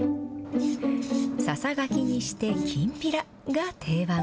ささがきにしてきんぴらが定番。